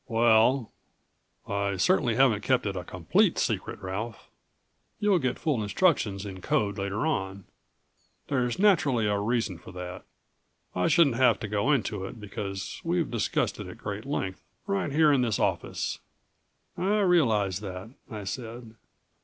"Well I certainly haven't kept it a complete secret, Ralph. You'll get full instructions in code later on. There's naturally a reason for that. I shouldn't have to go into it, because we've discussed it at great length right here in this office." "I realize that," I said.